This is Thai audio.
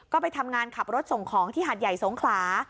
ก็ไปทำงานขับรถส่งของที่หาดใหญ่สงขลา